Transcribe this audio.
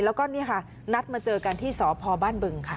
แล้วก็นี่ค่ะนัดมาเจอกันที่สพบ้านบึงค่ะ